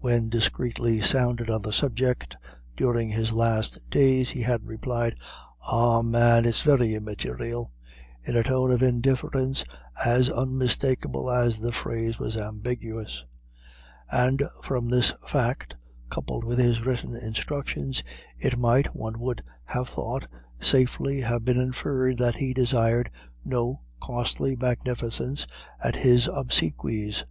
When discreetly sounded on the subject during his last days, he had replied: "Ah! man, it's very immaterial," in a tone of indifference as unmistakable as the phrase was ambiguous. And from this fact, coupled with his written instructions, it might, one would have thought, safely have been inferred that he desired no costly magnificence at his obsequies.